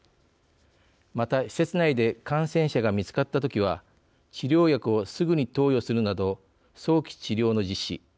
また、施設内で感染者が見つかったときは治療薬をすぐに投与するなど早期治療の実施。